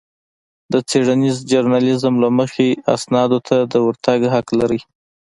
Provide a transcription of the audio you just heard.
د څېړنيز ژورنالېزم له مخې اسنادو ته د ورتګ حق لرئ.